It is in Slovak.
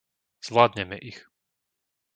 Zvládneme ich.